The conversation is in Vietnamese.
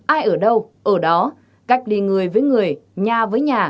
hai ai ở đâu ở đó